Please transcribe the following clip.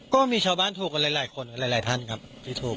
ก็มีชาวบ้านถูกกันหลายคนหลายท่านครับที่ถูก